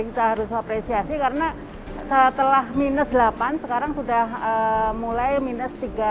kita harus apresiasi karena setelah minus delapan sekarang sudah mulai minus tiga